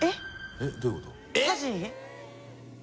えっどういうこと？